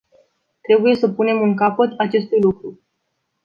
Trebuie să punem un capăt acestui lucru.